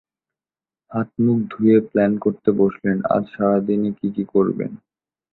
হাত-মুখ ধুয়ে প্ল্যান করতে বসলেন, আজ সারাদিনে কী কী করবেন।